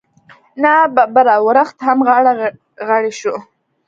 نا ببره ورښت هم غاړه غړۍ شو.